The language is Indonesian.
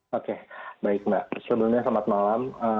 sebelumnya selamat malam